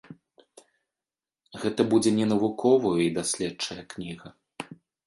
Гэта будзе не навуковая і даследчая кніга.